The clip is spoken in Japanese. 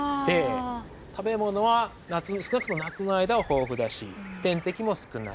食べ物は少なくとも夏の間は豊富だし天敵も少ない。